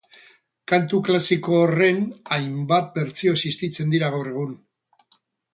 Kantu klasiko horren hainbat bertsio existitzen dira gaur egun